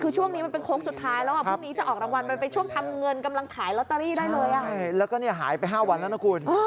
ใช่แล้วก็หายไป๕วันแล้วนะคุณ